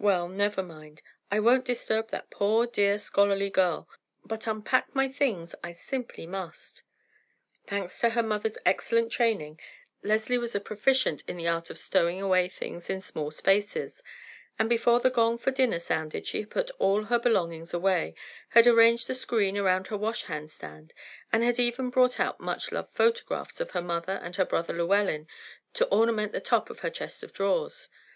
Well, never mind; I won't disturb that poor, dear scholarly girl; but unpack my things I simply must." Thanks to her mother's excellent training, Leslie was a proficient in the art of stowing away things in small spaces; and before the gong for dinner sounded she had put all her belongings away, had arranged the screen round her washhand stand, and had even brought out much loved photographs of her mother and her brother Llewellyn to ornament the top of her chest of drawers.